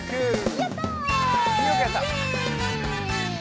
やった！